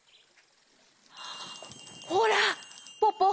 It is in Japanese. ほらポポ